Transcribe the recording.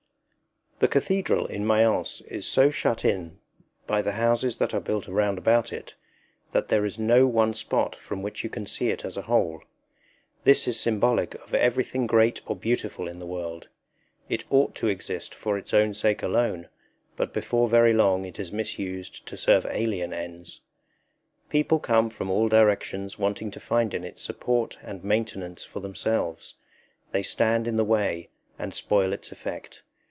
The Cathedral in Mayence is so shut in by the houses that are built round about it, that there is no one spot from which you can see it as a whole. This is symbolic of everything great or beautiful in the world. It ought to exist for its own sake alone, but before very long it is misused to serve alien ends. People come from all directions wanting to find in it support and maintenance for themselves; they stand in the way and spoil its effect.